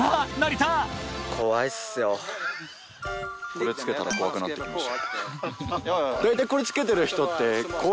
これ着けたら怖くなってきました。